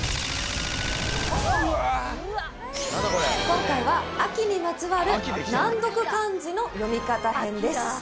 今回は秋にまつわる難読漢字の読み方編です